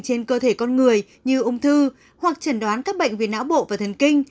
trên cơ thể con người như ung thư hoặc chẩn đoán các bệnh về não bộ và thần kinh